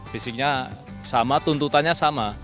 basicnya sama tuntutannya sama